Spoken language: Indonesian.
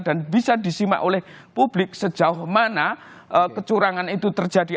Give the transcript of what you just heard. dan bisa disimak oleh publik sejauh mana kecurangan itu terjadi